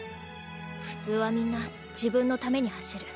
普通はみんな自分のために走る。